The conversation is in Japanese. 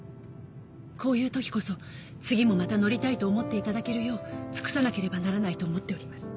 こういうときこそ次もまた乗りたいと思っていただけるよう尽くさなければならないと思っております。